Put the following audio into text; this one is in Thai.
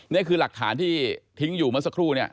นี่คือหลักฐานที่ทิ้งอยู่เมื่อสักครู่เนี่ย